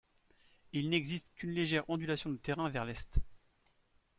Il n'existe qu'une légère ondulation de terrain vers l'est.